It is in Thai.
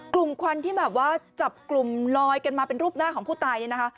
ควันที่แบบว่าจับกลุ่มลอยกันมาเป็นรูปหน้าของผู้ตายเนี่ยนะคะ